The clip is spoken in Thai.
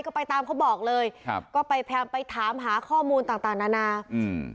ก็ไปตามเขาบอกเลยครับก็ไปพยายามไปถามหาข้อมูลต่างต่างนานาอืม